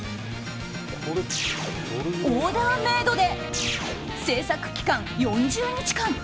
オーダーメイドで制作期間４０日間。